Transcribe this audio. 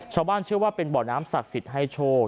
ชาวบ้านเชื่อว่าเป็นบ่อน้ำศักดิ์สิทธิ์ให้โชค